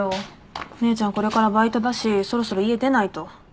姉ちゃんこれからバイトだしそろそろ家出ないと。